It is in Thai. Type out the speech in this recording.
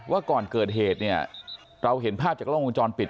ว่าก่อนเกิดเหตุเนี่ยเราเห็นภาพจากกล้องวงจรปิด